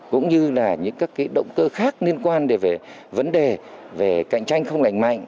cũng như là những các động cơ khác liên quan đến vấn đề về cạnh tranh không lành mạnh